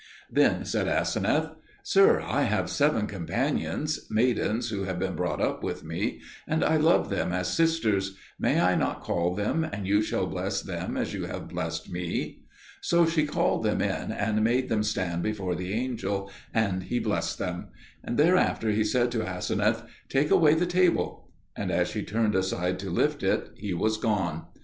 Then said Aseneth, "Sir, I have seven companions, maidens who have been brought up with me, and I love them as sisters: may I not call them, and you shall bless them as you have blessed me?" So she called them in, and made them stand before the angel, and he blessed them; and thereafter he said to Aseneth, "Take away the table." And as she turned aside to lift it, he was gone.